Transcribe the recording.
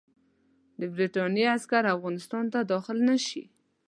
د برټانیې عسکر افغانستان ته داخل نه شي.